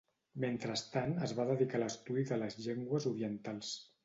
Mentrestant es va dedicar a l'estudi de les llengües orientals.